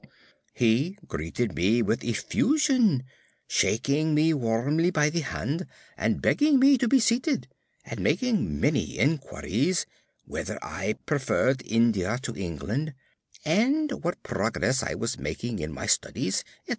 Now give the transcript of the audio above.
He greeted me with effusion, shaking me warmly by the hand, and begging me to be seated, and making many inquiries, whether I preferred India to England, and what progress I was making in my studies, &c.